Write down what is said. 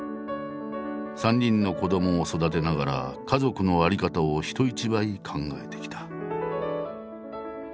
３人の子どもを育てながら家族の在り方を人一倍考えてきた。